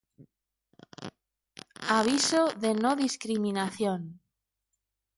Aviso de no discriminación